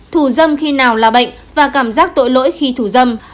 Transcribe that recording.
thù dâm khi nào là bệnh và cảm giác tội lỗi khi thù dâm